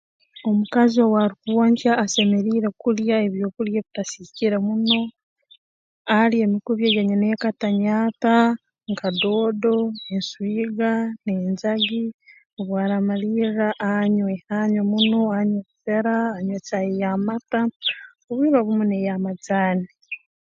Omukazi owaarukwonkya asemeriire kulya ebyokulya ebitasiikire muno alye emikubi eya nyineeka-tanyaata nka doodo enswiga n'enjagi obu araamalirra anywe anywe muno anywe obusera anywe caayi y'amata obwire omu n'ey'amajaani